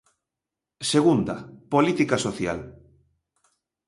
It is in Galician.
Segunda, Política Social.